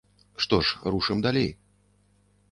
Што ж, рушым далей.